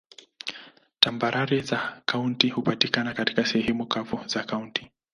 Tambarare za kaunti hupatikana katika sehemu kavu za kaunti.